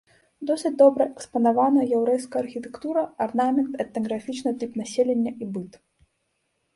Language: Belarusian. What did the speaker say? Досыць добра экспанавана яўрэйская архітэктура, арнамент, этнаграфічны тып насялення і быт.